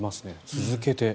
続けて。